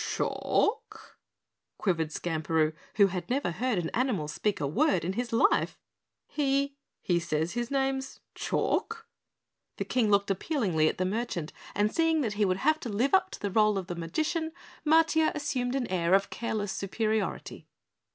"Cha lk?" quavered Skamperoo, who had never heard an animal speak a word in his life. "He he says his name's Chalk." The King looked appealingly at the merchant and seeing he would have to live up to the role of magician, Matiah assumed an air of careless superiority.